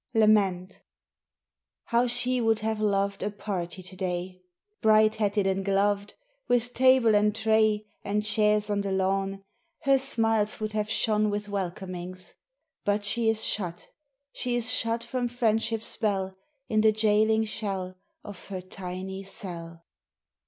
LAMENT HOW she would have loved A party to day!— Bright hatted and gloved, With table and tray And chairs on the lawn Her smiles would have shone With welcomings ... But She is shut, she is shut From friendship's spell In the jailing shell Of her tiny cell.